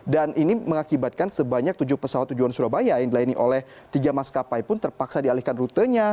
dan ini mengakibatkan sebanyak tujuh pesawat tujuan surabaya yang dilayani oleh tiga maskapai pun terpaksa dialihkan rutanya